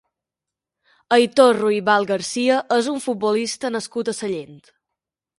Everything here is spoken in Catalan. Aitor Ruibal García és un futbolista nascut a Sallent.